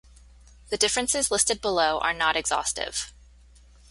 The differences listed below are not exhaustive.